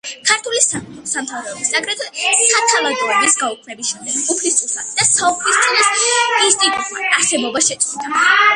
ქართული სამეფო-სამთავროების, აგრეთვე სათავადოების გაუქმების შემდეგ „უფლისწულისა“ და „საუფლისწულოს“ ინსტიტუტებმა არსებობა შეწყვიტა.